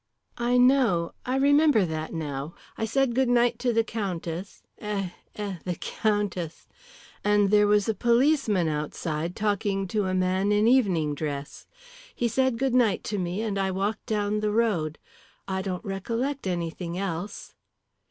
"I know. I remember that now. I said goodnight to the Countess eh, eh, the Countess! and there was a policeman outside talking to a man in evening dress. He said goodnight to me and I walked down the road. I don't recollect anything else."